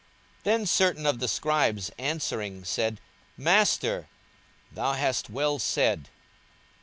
42:020:039 Then certain of the scribes answering said, Master, thou hast well said.